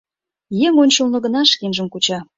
— Еҥ ончылно гына шкенжым куча.